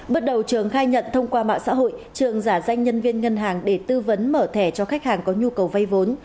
bước đầu trường khai nhận thông qua mạng xã hội trường giả danh nhân viên ngân hàng để tư vấn mở thẻ cho khách hàng có nhu cầu vay vốn